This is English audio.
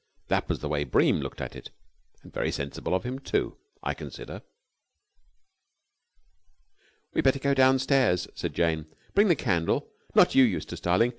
That was the way Bream looked at it. And very sensible of him, too, I consider. "We'd better go downstairs," said Jane. "Bring the candle. Not you, Eustace, darling.